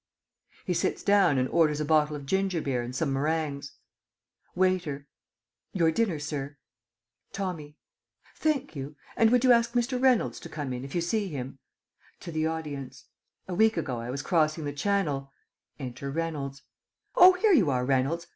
[He sits down and orders a bottle of ginger beer and some meringues. Waiter. Your dinner, Sir. Tommy. Thank you. And would you ask Mr. Reynolds to come in, if you see him? (To the audience) A week ago I was crossing the Channel (enter Reynolds) Oh, here you are, Reynolds!